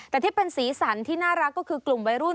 แต่ที่เป็นสีสันที่น่ารักก็คือกลุ่มวัยรุ่น